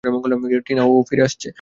টিনা, ও ফিরে আসছে।